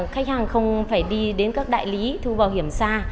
khách hàng không phải đi đến các đại lý thu bảo hiểm xa